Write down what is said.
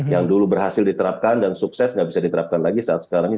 yang dulu berhasil diterapkan dan sukses nggak bisa diterapkan lagi saat sekarang ini